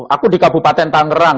aku di kabupaten tangerang